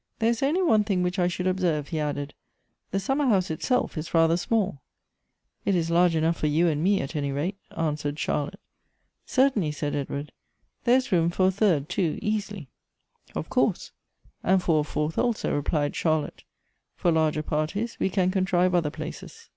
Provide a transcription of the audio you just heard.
" There is only one thing which I should observe," he added, "the summer house itself is rather small." Elective Affinities. 3 "It is large enough for you and mc, at any rate," an swered Charlotte. " Certainly," said Edward ;" there is room for a third, too, easily." " Of course ; and for a fourth also," replied Charlotte. " For larger parties we can contrive other places.''